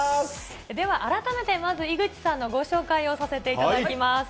では改めて、まず井口さんのご紹介をさせていただきます。